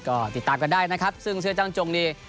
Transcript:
ก็ติดตามกันได้นะครับซึ่งเสื้อจ้างจงนี้